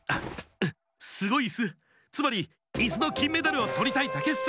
すごいイスつまりイスのきんメダルをとりたいだけッス。